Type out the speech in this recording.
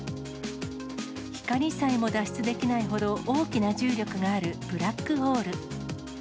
光さえも脱出できないほど大きな重力があるブラックホール。